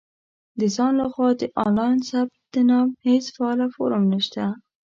• د ځان له خوا د آنلاین ثبت نام هېڅ فعاله فورم نشته.